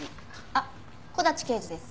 あっ木立刑事です。